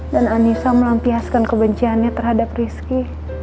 dan anissa melampiaskan kebenciannya terhadap rizky